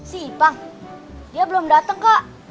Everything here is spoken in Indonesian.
si ipang dia belum dateng kak